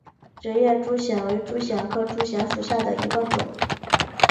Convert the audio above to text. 直叶珠藓为珠藓科珠藓属下的一个种。